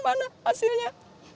sekarang mana hasilnya